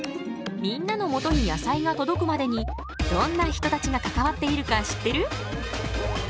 みんなのもとに野菜が届くまでにどんな人たちが関わっているか知ってる？